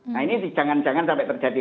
nah ini jangan jangan sampai terjadi